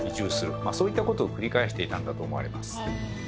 まあそういったことを繰り返していたんだと思われます。